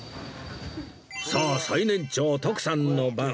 さあ最年長徳さんの番